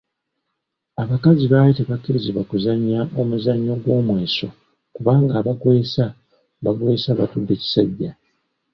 Abakazi bali tebakirizibwa kuzanya omuzannyo gw’omweso kubanga abagweesa bagwesa batudde kissajja.